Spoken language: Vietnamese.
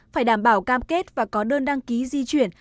phải đảm bảo cam kết và có đơn đăng ký di chuyển